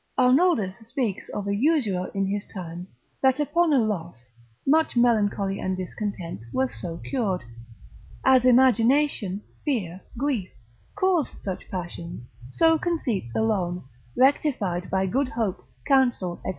Arnoldus, lib. 1. breviar. cap. 18. speaks of a usurer in his time, that upon a loss, much melancholy and discontent, was so cured. As imagination, fear, grief, cause such passions, so conceits alone, rectified by good hope, counsel, &c.